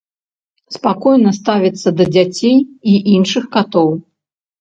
Спакойна ставіцца да дзяцей і іншых катоў.